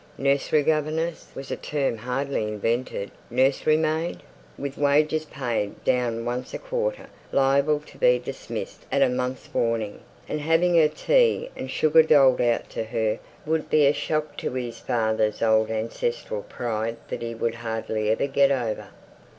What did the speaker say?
'nursery governess' was a term hardly invented) nursery maid, with wages paid down once a quarter, liable to be dismissed at a month's warning, and having her tea and sugar doled out to her, would be a shock to his father's old ancestral pride that he would hardly ever get over.